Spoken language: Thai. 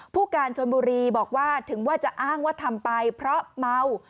ผู้การชนบุรีบอกว่าถึงว่าจะอ้างว่าทำไปเพราะเมา